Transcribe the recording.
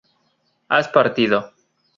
has partido